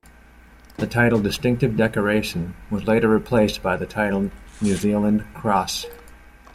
The title "Distinctive Decoration" was later replaced by the title New Zealand Cross.